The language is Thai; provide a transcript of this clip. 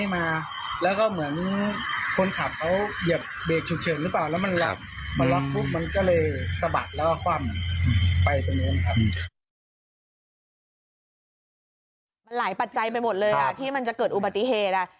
มันหลายปัจจัยไปหมดเลยที่มันจะเกิดอุบัติเหตุ